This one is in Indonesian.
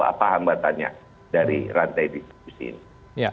apa hambatannya dari rantai distribusi ini